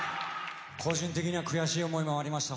個人的には悔しい思いもありました。